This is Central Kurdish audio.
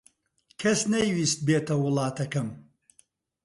کەس نەیویست بێتە وڵاتەکەم.